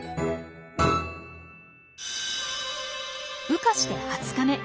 羽化して２０日目。